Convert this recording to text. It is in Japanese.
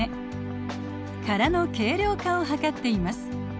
殻の軽量化を図っています。